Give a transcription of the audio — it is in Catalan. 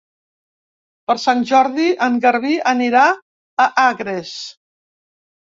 Per Sant Jordi en Garbí anirà a Agres.